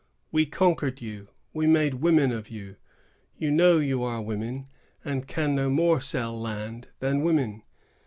We conquered you; we made women of you; you know you are women, and can no more sell land than women.